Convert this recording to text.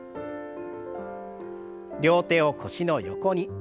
両手を腰の横に。